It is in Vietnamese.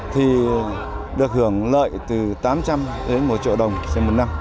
thì được hưởng lợi từ tám trăm linh đến một triệu đồng trên một năm